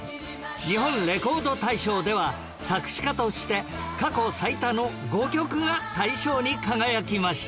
日本レコード大賞では作詞家として過去最多の５曲が大賞に輝きました